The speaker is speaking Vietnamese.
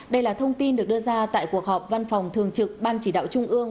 đây là thông tin được đưa ra tại cuộc họp văn phòng thường trực ban chỉ đạo trung ương